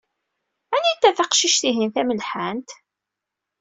Anita taqcict-ihin tamelḥant?